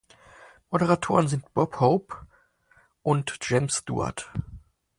Moderatoren sind Bob Hope und James Stewart.